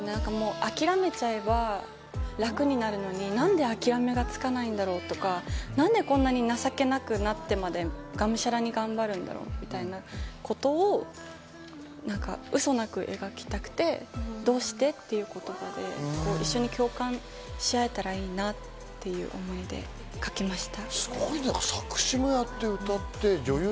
諦めちゃえば楽になるのになんで諦めがつかないんだろうとか、何でこんなに情けなくなってまでがむしゃらに頑張るんだろうってことをウソなく描きたくて、どうして？っていう言葉で一緒に共感し合えたらいいなっていう思いで書きました。